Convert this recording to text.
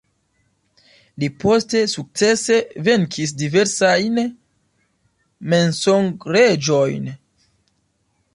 Li poste sukcese venkis diversajn "mensog-reĝojn".